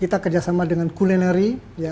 kita kerjasama dengan culinary